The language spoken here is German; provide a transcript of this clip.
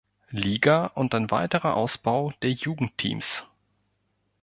Liga und ein weiterer Ausbau der Jugend-Teams.